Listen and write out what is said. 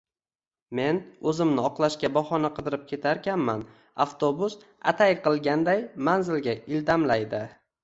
Men oʻzimni oqlashga bahona qidirib ketarkanman, avtobus atay qilganday manzilga ildamlaydi